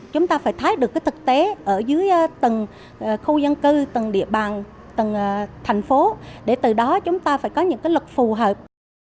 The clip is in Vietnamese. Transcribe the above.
chúng ta phải thấy được cái thực tế ở dưới từng khu dân cư từng địa bàn từng thành phố để từ đó chúng ta phải có những cái luật phù hợp